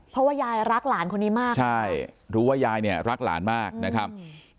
เพราะว่ายายรักหลานคนนี้มากใช่รู้ว่ายายเนี่ยรักหลานมากนะครับ